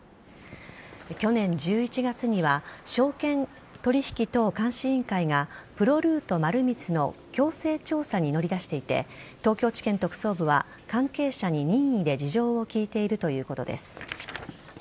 去年１１月には証券取引等監視委員会がプロルート丸光の強制調査に乗り出していて東京地検特捜部は関係者に任意で事情を聴いているということです。